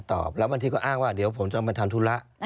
บางทีก็อ้างว่าเดี๋ยวผมจะเอามาทำธุระ